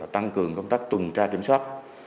tăng cường công tác tuần tra kiểm soát